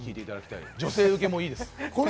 女性ウケもいいです。